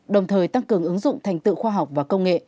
đồng thời tăng cường ứng dụng thành tựu khoa học và công nghệ